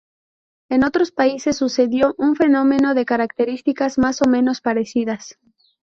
En otros países sucedió un fenómeno de características más o menos parecidas.